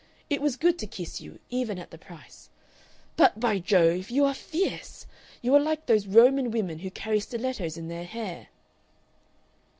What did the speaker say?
It was good to kiss you, even at the price. But, by Jove! you are fierce! You are like those Roman women who carry stilettos in their hair."